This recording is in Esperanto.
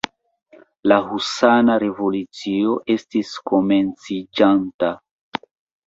La husana revolucio estis komenciĝanta...